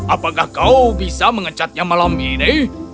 apakah kau bisa mengecatnya malam ini